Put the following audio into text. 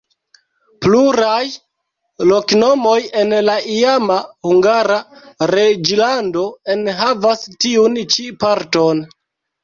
Pluraj loknomoj en la iama Hungara reĝlando enhavas tiun ĉi parton.